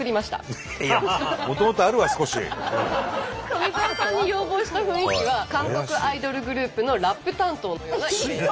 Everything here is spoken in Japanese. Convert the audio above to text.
富澤さんに要望した雰囲気は韓国アイドルグループのラップ担当のようなイメージ。